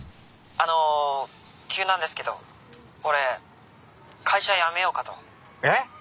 あの急なんですけど俺会社辞めようかと。え